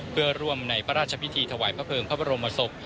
เพื่อร่วมในพระราชพิธีถวายพระเภิงพระบรมศพ